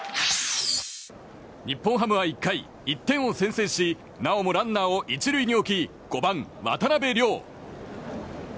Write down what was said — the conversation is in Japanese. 日本ハムは１回、１点を先制しなおもランナーを１塁に置き５番、渡邉諒。